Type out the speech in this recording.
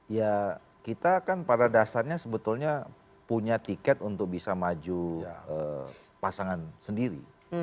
ya kita kan pada dasarnya sebetulnya punya tiket untuk bisa maju pasangan sendiri